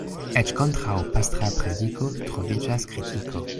Eĉ kontraŭ pastra prediko troviĝas kritiko.